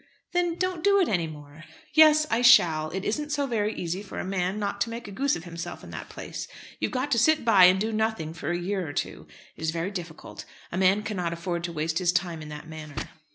"Then, don't do it any more." "Yes, I shall. It isn't so very easy for a man not to make a goose of himself in that place. You've got to sit by and do nothing for a year or two. It is very difficult. A man cannot afford to waste his time in that manner.